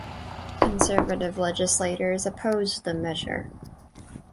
Conservative legislators opposed the measure.